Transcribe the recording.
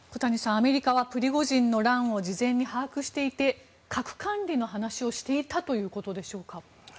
アメリカはプリゴジンの乱を事前に確認していて核管理の話をしていたということでしょうか。